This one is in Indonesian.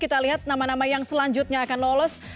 kita lihat nama nama yang selanjutnya akan lolos